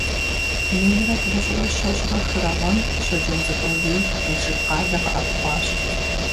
Минрэ бгъущIрэ щэщIрэ хырэ гъэм Щоджэнцӏыкӏу Алий Налшык къалэ къэӏэпхъуащ.